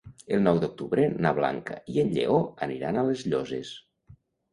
El nou d'octubre na Blanca i en Lleó aniran a les Llosses.